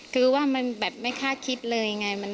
คือว่ามันแบบไม่คาดคิดเลยไง